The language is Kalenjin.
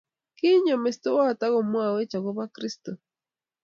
Kinyo mestowot akaomwawech akobo kristo